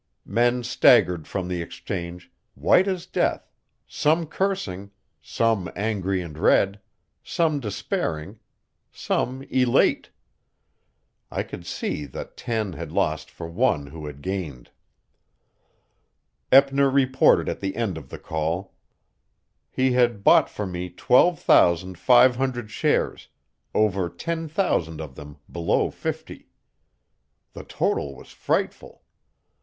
Men staggered from the Exchange, white as death, some cursing, some angry and red, some despairing, some elate. I could see that ten had lost for one who had gained. Eppner reported at the end of the call. He had bought for me twelve thousand five hundred shares, over ten thousand of them below fifty. The total was frightful.